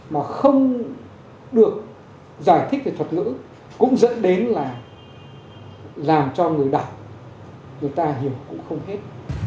mà không được giải thích về thuật ngữ cũng dẫn đến là làm cho người đọc người ta hiểu cũng không hết